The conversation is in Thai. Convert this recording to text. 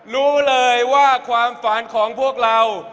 รู้เลยว่าความฝันของพวกเรา